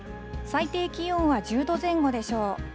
最低気温は１０度前後でしょう。